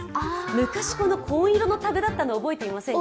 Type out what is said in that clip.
昔、紺のタグだったの覚えていますか？